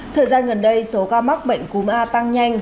thời gian gần đây số ca mắc bệnh cúm a tăng nhanh